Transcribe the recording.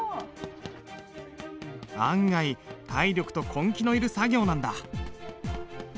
案外体力と根気のいる作業なんだ。